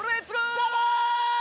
どうも！